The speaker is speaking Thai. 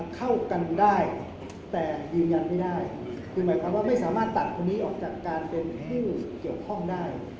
เข้ากันได้แต่ยืนยันไม่ได้คือหมายความว่าไม่สามารถตัดคนนี้ออกจากการเป็นผู้เกี่ยวข้องได้